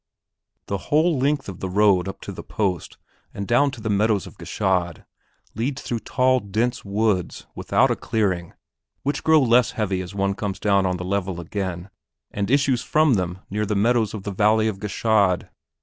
The whole length of the road up to the post and down to the meadows of Gschaid leads through tall, dense woods without a clearing which grow less heavy as one comes down on the level again and issues from them near the meadows of the valley of Gschaid.